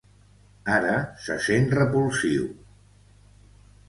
Ara se sent repulsiu.